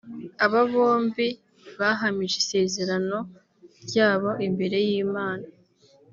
Aba bombi bahamije isezerano ryabo imbere y’Imana